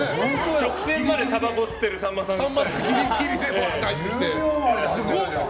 直前までたばこ吸ってるさんまさんね。